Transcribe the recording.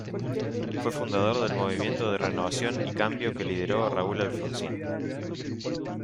Fue fundador del Movimiento de Renovación y Cambio que lideró Raúl Alfonsín.